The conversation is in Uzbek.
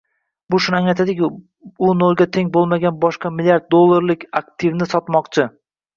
Bu shuni anglatadiki, u nolga teng bo'lmagan boshqa milliard dollarlik aktivni sotib olmoqchi